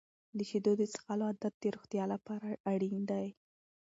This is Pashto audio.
د شیدو د څښلو عادت د روغتیا لپاره اړین دی.